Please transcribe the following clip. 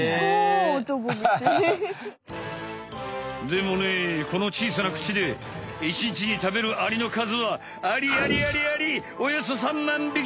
でもねこの小さな口で１にちに食べるアリのかずはアリアリアリアリおよそ３万匹！